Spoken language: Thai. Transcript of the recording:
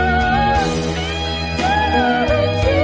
แน่แน่รู้เหรอ